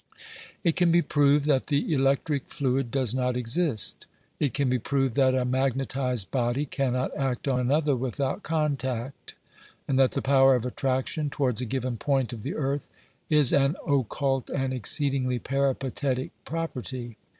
It can be proved that the electric fluid does not exist. It can be proved that a magnetised body cannot act on another without contact, and that the power of attraction towards a given point of the earth is an occult and exceed ingly peripatetic property.